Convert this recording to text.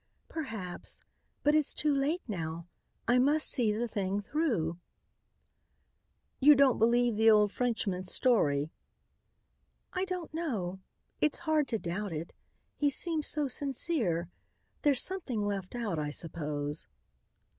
"Perhaps. But it's too late now. I must see the thing through." "You don't believe the old Frenchman's story." "I don't know. It's hard to doubt it. He seems so sincere. There's something left out, I suppose."